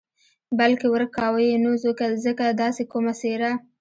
بلکې ورک کاوه یې نو ځکه داسې کومه څېره.